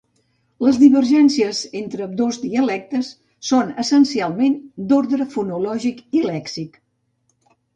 Les divergències entre ambdós dialectes són essencialment d'ordre fonològic i lèxic.